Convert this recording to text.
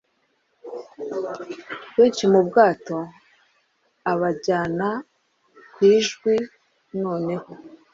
benshi mu bwato abajyana ku idjwi noneho